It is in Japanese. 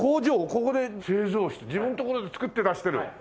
ここで製造して自分のところで作って出してる。